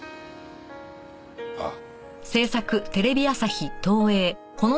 ああ。